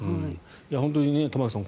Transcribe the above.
本当に、玉川さん